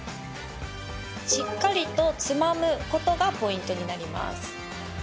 しっかりとつまむことがポイントになります。